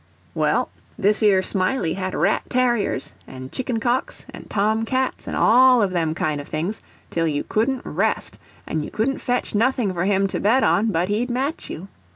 Well, thish yer Smiley had rat tarriers, and chicken cocks, and tom cats and all of them kind of things, till you couldn't rest, and you couldn't fetch nothing for him to bet on but he'd match you.